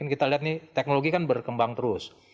kita lihat nih teknologi kan berkembang terus